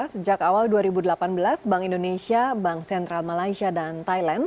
sejak awal dua ribu delapan belas bank indonesia bank sentral malaysia dan thailand